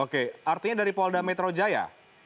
oke artinya dari polda metro jaya